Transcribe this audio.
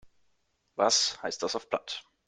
Was heißt das auf Platt?